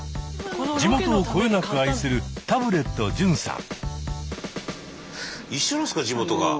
地元をこよなく愛するタブレット純さん。